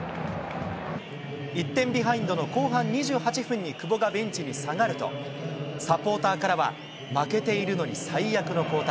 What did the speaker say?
１点ビハインドの後半２８分に久保がベンチに下がると、サポーターからは、負けているのに最悪の交代。